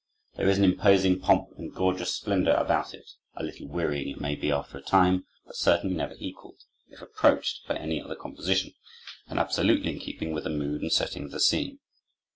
There is an imposing pomp and gorgeous splendor about it; a little wearying, it may be, after a time, but certainly never equaled, if approached, by any other composition, and absolutely in keeping with the mood and setting of the scene.